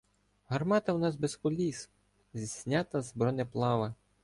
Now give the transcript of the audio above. Гармата в нас без коліс, знята з бронеплава.